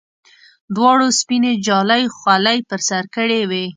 دواړو سپینې جالۍ خولۍ پر سر کړې وې.